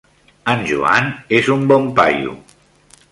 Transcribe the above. En Joan és un bon paio.